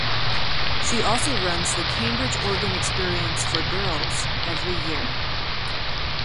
She also runs the Cambridge Organ Experience for Girls every year.